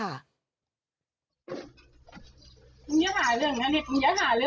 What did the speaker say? นายอยากหาเรื่องนะ